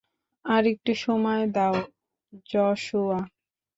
আরেকটু সময় দাও, জশুয়া!